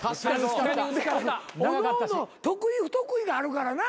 おのおの得意不得意があるからな。